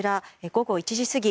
午後１時過ぎ。